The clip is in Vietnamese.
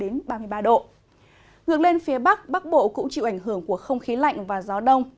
ngược lên phía bắc bắc bộ cũng chịu ảnh hưởng của không khí lạnh và gió đông